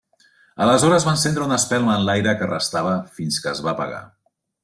Aleshores va encendre una espelma en l'aire que restava fins que es va apagar.